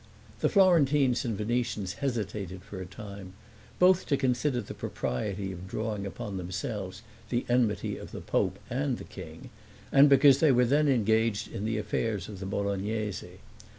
The Florentines and Venetians hesitated for a time, both to consider the propriety of drawing upon themselves the enmity of the pope and the king, and because they were then engaged in the affairs of the Bolognese.